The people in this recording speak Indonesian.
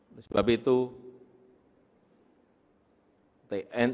oleh sebab itu tni polri harus berani mengambil kemampuan